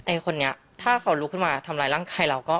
คนนี้ถ้าเขาลุกขึ้นมาทำร้ายร่างกายเราก็